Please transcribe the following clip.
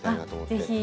ぜひ。